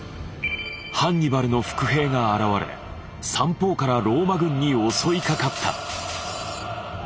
ハンニバルの伏兵が現れ三方からローマ軍に襲いかかった！